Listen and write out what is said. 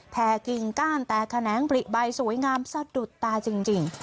กิ่งก้านแตกแขนงผลิใบสวยงามสะดุดตาจริง